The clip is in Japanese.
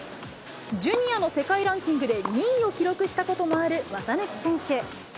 ジュニアの世界ランキングで２位を記録したこともある綿貫選手。